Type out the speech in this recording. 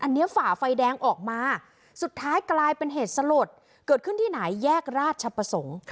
อันนี้ฝ่าไฟแดงออกมาสุดท้ายกลายเป็นเหตุสลดเกิดขึ้นที่ไหนแยกราชประสงค์